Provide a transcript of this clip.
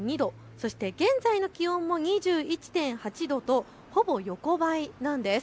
そして現在の気温も２１．８度とほぼ横ばいなんです。